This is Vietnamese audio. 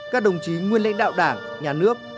các đồng chí nguyên lãnh đạo đảng nhà nước